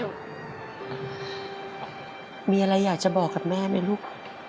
มีอะไรอยากจะบอกกับแม่ไหมลูก